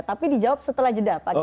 tapi dijawab setelah jeda pak kiai